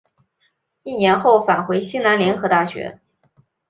一年后返回西南联合大学。